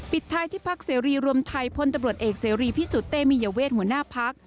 ปิดท้ายที่พักเสรีรวมไทยพลตำรวจเอกเสรีพิสุทธิ์เตมียเวทหัวหน้าพัก